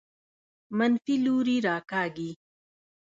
منفي لوري راکاږي.